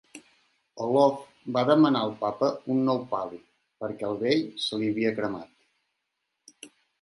Olov va demanar al papa un nou pal·li, perquè el vell se li havia cremat.